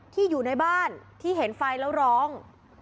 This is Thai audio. อยู่ในบ้านที่เห็นไฟแล้วร้อง